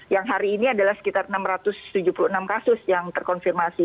yang hari ini adalah sekitar enam ratus tujuh puluh enam kasus yang terkonfirmasi